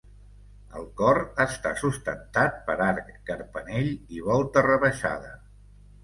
El cor està sustentat per arc carpanell i volta rebaixada.